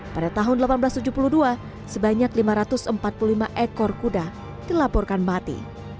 pada tahun seribu delapan ratus tujuh puluh dua sebanyak lima ratus empat puluh lima ekor kuda dilaporkan mati